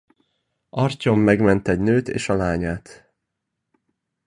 Artyom megment egy nőt és a lányát.